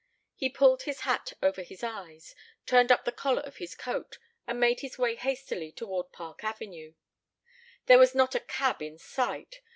He pulled his hat over his eyes, turned up the collar of his coat, and made his way hastily toward Park Avenue. There was not a cab in sight.